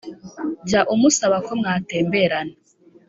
jya umusaba ko mwatemberana